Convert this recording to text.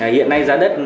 hiện nay giá đất